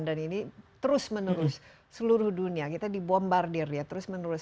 ini terus menerus seluruh dunia kita dibombardir ya terus menerus